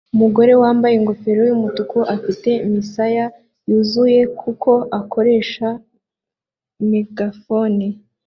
Umugore wambaye ingofero yumutuku afite imisaya yuzuye kuko akoresha megafone